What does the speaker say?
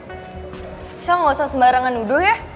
michelle gak usah sembarangan nuduh ya